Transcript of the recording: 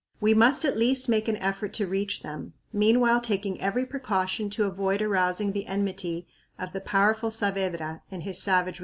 We must at least make an effort to reach them, meanwhile taking every precaution to avoid arousing the enmity of the powerful Saavedra and his savage retainers.